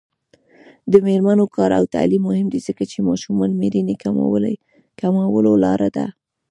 د میرمنو کار او تعلیم مهم دی ځکه چې ماشومانو مړینې کمولو لاره ده.